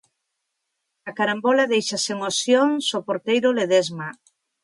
A carambola deixa sen opcións o porteiro Ledesma.